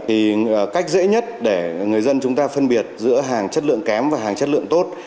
thì cách dễ nhất để người dân chúng ta phân biệt giữa hàng chất lượng kém và hàng chất lượng tốt